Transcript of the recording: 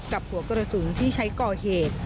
กับหัวกระสุนที่ใช้ก่อเหตุ